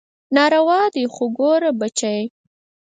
ناروا دي خو ګوره بچى.